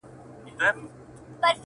• آیینه ماته که چي ځان نه وینم تا ووینم ,